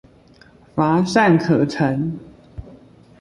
乏善可陳